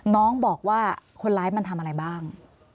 น้องบอกว่าคนร้ายมันทำอะไรบ้าง